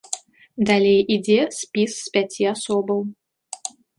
Далей ідзе спіс з пяці асобаў.